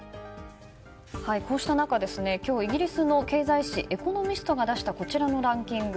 こうした中、今日イギリスの経済誌「エコノミスト」が出したこちらのランキング。